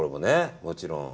もちろん。